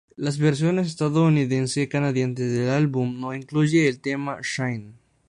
Las versiones Estadounidense y Canadiense del álbum, no incluye el tema "Shine".